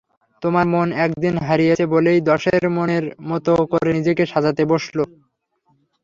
তোমার মন একদিন হারিয়েছে বলেই দশের মনের মতো করে নিজেকে সাজাতে বসল।